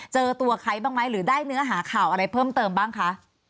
เจอตัวใครบ้างไหมหรือได้เนื้อหาข่าวอะไรเพิ่มเติมบ้างคะ